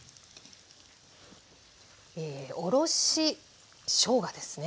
おろししょうがですね。